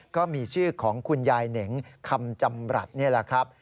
ก็มีชื่อของคุณยายเหน่งคำจำรัฐนี่แหละครับ